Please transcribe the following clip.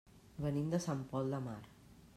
Venim de Sant Pol de Mar.